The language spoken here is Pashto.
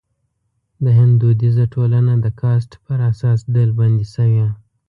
د هند دودیزه ټولنه د کاسټ پر اساس ډلبندي شوې.